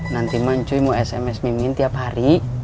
nanti man cuy mau sms mimin tiap hari